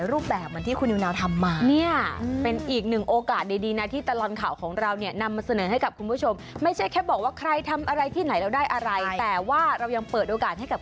เรื่องของการพับดอกบัวหลากหลายรูปแบบ